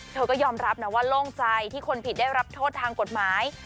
เธอก็ยอมรับนะว่าโล่งใจที่คนผิดได้รับโทษทางกฎหมาย